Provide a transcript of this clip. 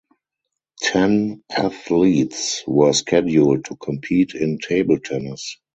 Ten athletes were scheduled to compete in table tennis.